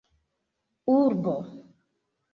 urbo